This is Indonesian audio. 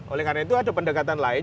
oleh karena itu ada pendekatan lain